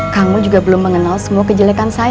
kang mul juga belum mengenal semua kejelekan saya